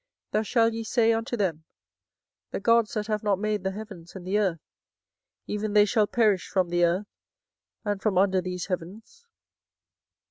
24:010:011 Thus shall ye say unto them, The gods that have not made the heavens and the earth, even they shall perish from the earth, and from under these heavens.